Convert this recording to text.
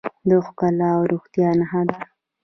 د ښکلا او روغتیا نښه ده.